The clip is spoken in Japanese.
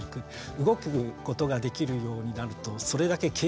動くことができるようになるとそれだけ経験が広がります。